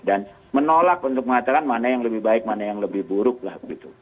dan menolak untuk mengatakan mana yang lebih baik mana yang lebih buruk lah gitu